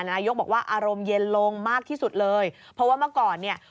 นายกบอกว่าอารมณ์เย็นลงมากที่สุดเลยเพราะว่าเมื่อก่อนเนี่ย